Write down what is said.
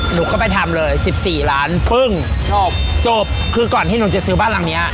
หนูก็ไปทำเลยสิบสี่ล้านปึ้งจบจบคือก่อนที่หนูจะซื้อบ้านหลังเนี้ย